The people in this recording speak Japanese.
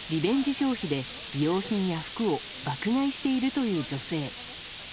消費で美容品や服を爆買いしているという女性。